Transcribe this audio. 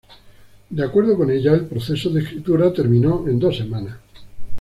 De acuerdo con ella, el proceso de escritura terminó en dos semanas.